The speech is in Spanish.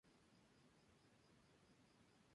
La inflorescencia tiene entre una y ocho flores.